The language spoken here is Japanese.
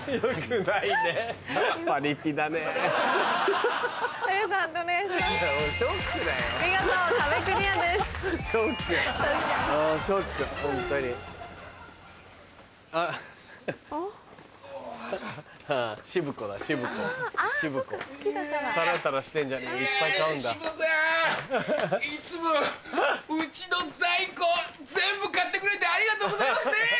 いつもうちの在庫全部買ってくれてありがとうございますね！